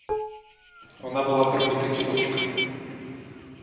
Вона була прибита кілочками.